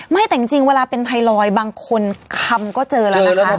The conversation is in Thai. แต่จริงเวลาเป็นไทรอยด์บางคนคำก็เจอแล้วนะคะ